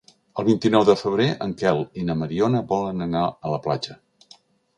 El vint-i-nou de febrer en Quel i na Mariona volen anar a la platja.